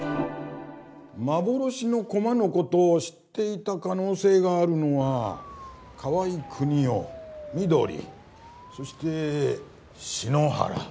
幻の駒の事を知っていた可能性があるのは河合久仁雄みどりそして篠原。